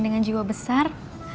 dengan jiwa besar